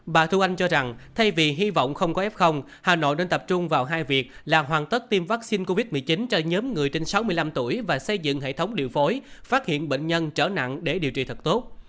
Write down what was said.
bà thu anh cho rằng thay vì hy vọng không có f hà nội nên tập trung vào hai việc là hoàn tất tiêm vaccine covid một mươi chín cho nhóm người trên sáu mươi năm tuổi và xây dựng hệ thống điều phối phát hiện bệnh nhân trở nặng để điều trị thật tốt